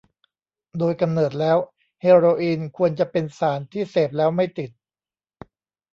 โดยกำเนิดแล้วเฮโรอีนควรจะเป็นสารที่เสพแล้วไม่ติด